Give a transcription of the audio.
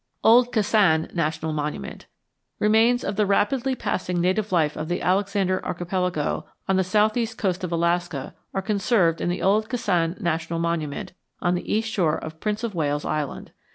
OLD KASAAN NATIONAL MONUMENT Remains of the rapidly passing native life of the Alexander Archipelago on the southeast coast of Alaska are conserved in the Old Kasaan National Monument on the east shore of Prince of Wales Island.